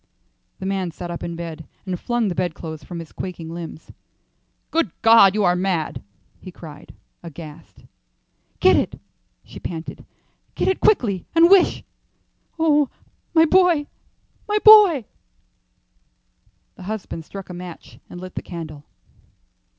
The man sat up in bed and flung the bedclothes from his quaking limbs. "Good God, you are mad!" he cried, aghast. "Get it," she panted; "get it quickly, and wish Oh, my boy, my boy!" Her husband struck a match and lit the candle.